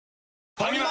ファミマ！